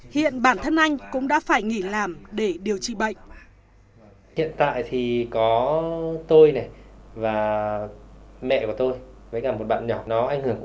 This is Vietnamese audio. hiện bản thân anh cũng đã phải nghỉ làm để điều trị bệnh